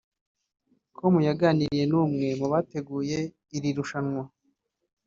com yaganiriye n’umwe mu bateguye iri rushanwa